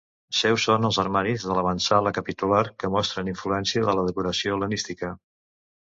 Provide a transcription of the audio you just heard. Seus són els armaris de l'avantsala capitular, que mostren influència de la decoració hel·lenística.